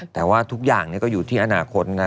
แต่ว่าทุกอย่างก็อยู่ที่อนาคตนะ